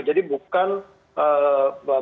jadi bukan mereka berpergian untuk merayakan